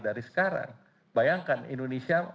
dari sekarang bayangkan indonesia